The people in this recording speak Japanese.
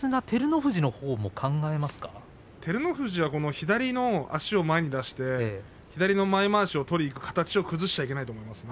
照ノ富士は左足を前に出して、左前まわしを取りにいく形を崩しちゃいけないですね。